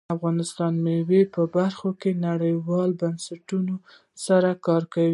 افغانستان د مېوو په برخه کې له نړیوالو بنسټونو سره کار کوي.